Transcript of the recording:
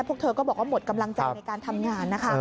พวกเธอก็บอกว่าหมดกำลังใจในการทำงานนะคะ